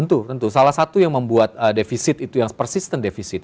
tentu tentu salah satu yang membuat defisit itu yang persisten defisit